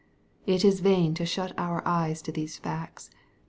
It is vain to shut our eyes to these facts.